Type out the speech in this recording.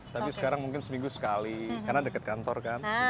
tapi sekarang mungkin seminggu sekali karena dekat kantor kan